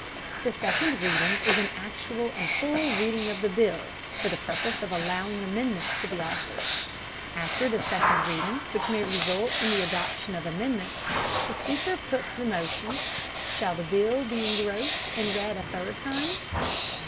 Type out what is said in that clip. The second reading is an actual and full reading of the bill for the purpose of allowing amendments to be offered. After the second reading, which may result in the adoption of amendments, the Speaker puts the motion, "Shall the bill be engrossed and read a third time?"